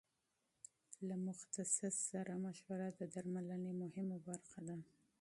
له متخصص سره مشوره د درملنې مهمه برخه ده.